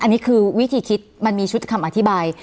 อันนี้คือวิธีคิดมันมีชุดคำอธิบาย